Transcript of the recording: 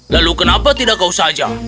lalu kenapa tidak kau saja